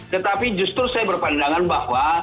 tetapi justru saya berpandangan bahwa